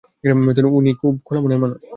উনি খুব খোলা মনের মানুষ।